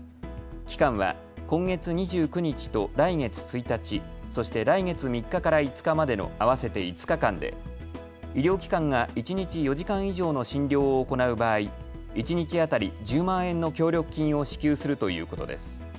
期間は今月２９日と来月１日、そして来月３日から５日までの合わせて５日間で医療機関が一日４時間以上の診療を行う場合、一日当たり１０万円の協力金を支給するということです。